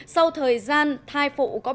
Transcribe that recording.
sau thời gian thai phụ có biến đổi